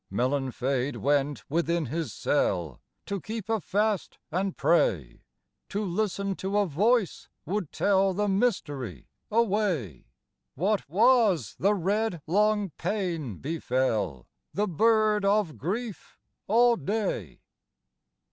Maelanfaid went within his cell To keep a fast and pray, To listen to a voice would tell The mystery away: What was the red long pain befell The bird of grief all day?